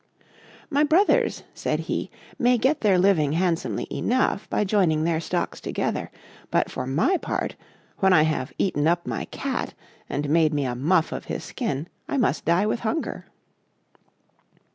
"My brothers," said he, "may get their living handsomely enough, by joining their stocks together; but for my part, when I have eaten up my Cat, and made me a muff of his skin, I must die with hunger."